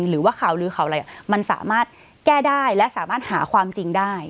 หรือว่าข่าวลือข่าวอะไรมันสามารถแก้ได้และสามารถหาความจริงได้